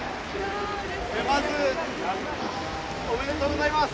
まずはおめでとうございます。